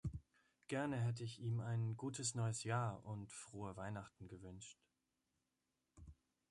Gerne hätte ich ihm ein Gutes Neues Jahr und Frohe Weihnachten gewünscht.